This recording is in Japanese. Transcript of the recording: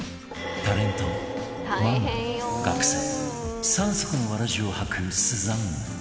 タレントママ学生３足のわらじを履くスザンヌ